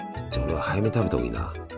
俺は早めに食べた方がいいな。